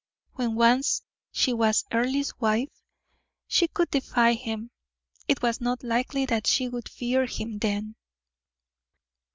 When once she was Earle's wife, she could defy him; it was not likely that she would fear him then.